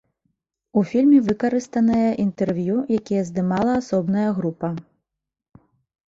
У фільме выкарыстаныя інтэрв'ю, якія здымала асобная група.